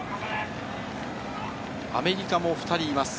アメリカも２人います。